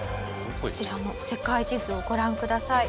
こちらの世界地図をご覧ください。